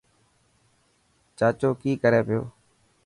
چاچو ڪي ڪري پيو.